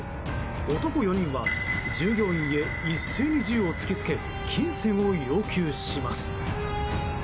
男４人は従業員へ一斉に銃を突きつけ金銭を要求します。